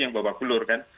yang bawa gelur kan